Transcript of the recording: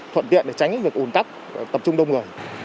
thuận tiện để tránh việc ổn tắc và tập trung đông người